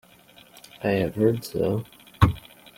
I have heard so.